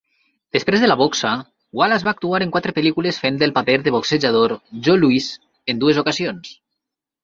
Després de la boxa, Wallace va actuar en quatre pel·lícules, fent el paper del boxejador Joe Louis en dues ocasions.